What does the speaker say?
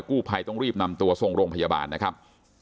กู้ภัยต้องรีบนำตัวส่งโรงพยาบาลนะครับ